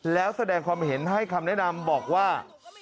แล้วแสดงความเห็นให้คำแนะนำบอกว่า